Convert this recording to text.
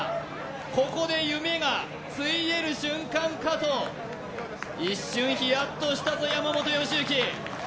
ここで夢がついえる瞬間かと一瞬ヒヤッとしたぞ山本良幸